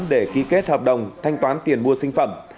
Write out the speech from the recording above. để ký kết hợp đồng thanh toán tiền mua sinh phẩm